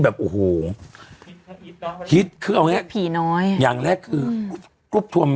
แบบโอ้โหคิดคือเอาไงผีน้อยอย่างแรกคือลูกทัวร์มัน